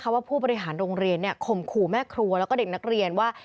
ว่าผู้บริหารโรงเรียนข่มขู่แม่ครัวแล้วก็เด็กนักเรียนว่า